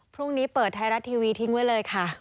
พรุ่งนี้เปิดไทยรัฐทีวีทิ้งไว้เลยค่ะ